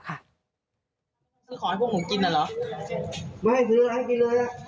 คือขอให้พวกมูกกินแล้วเหรอ